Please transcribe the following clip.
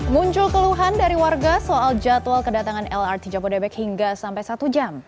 muncul keluhan dari warga soal jadwal kedatangan lrt jabodebek hingga sampai satu jam